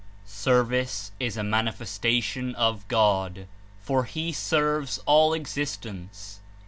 Service is a manifestation of God, for He serves all existence.